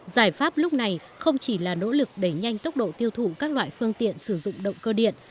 giải pháp lúc này không chỉ là nỗ lực đẩy nhanh tốc độ tiêu thụ các loại phương tiện sử dụng động cơ điện